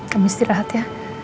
kamu istirahat ya